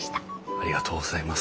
ありがとうございます。